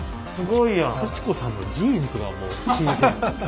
すち子さんのジーンズがもう新鮮。